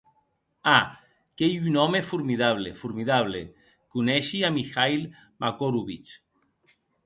A, qu'ei un òme formidable, formidable; coneishi a Mijail Makarovich.